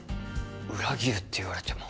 裏切るって言われても